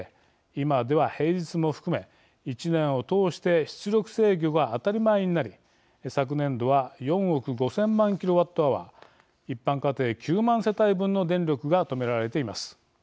今では平日も含め、１年を通して出力制御が当たり前になり昨年度は４億５０００万ｋＷｈ一般家庭、９万世帯分の電力が止められています。